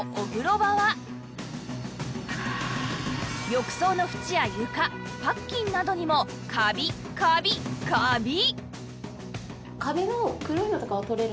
浴槽の縁や床パッキンなどにもカビカビカビ！